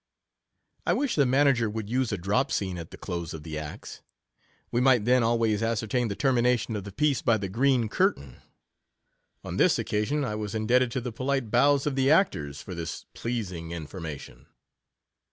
1 wish the manager would use a drop scene at the close of the acts ; we might then al ways ascertain the termination of the piece by the green curtain. On this occasion, I was indebted to the polite bows of the actors for this pleasing information.